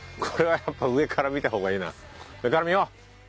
これはやっぱ上から見た方がいいな。